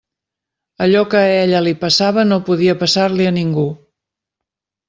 Allò que a ella li passava no podia passar-li a ningú.